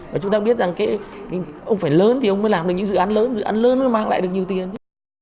và chúng ta biết rằng ông phải lớn thì ông mới làm được những dự án lớn dự án lớn mới mang lại được nhiều tiền chứ